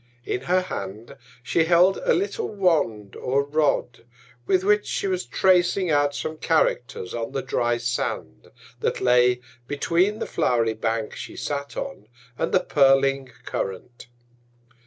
In her Hand she held a little Wand or Rod, with which she was tracing out some Characters on the dry Sand, that lay between the flow'ry Bank she sat on, and the purling Current.